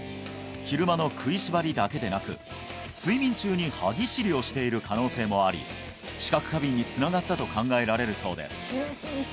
昼間の食いしばりだけでなく睡眠中に歯ぎしりをしている可能性もあり知覚過敏につながったと考えられるそうです